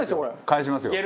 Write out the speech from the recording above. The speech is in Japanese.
返しますよ。